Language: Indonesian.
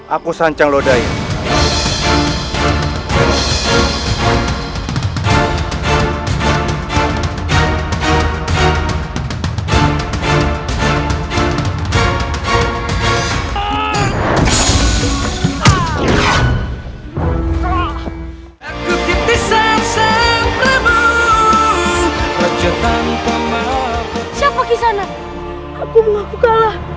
aku sanjang lodanya